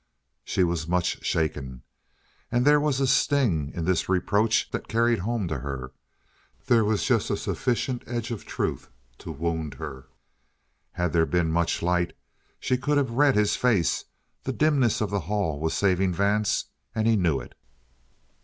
She was much shaken. And there was a sting in this reproach that carried home to her; there was just a sufficient edge of truth to wound her. Had there been much light, she could have read his face; the dimness of the hall was saving Vance, and he knew it.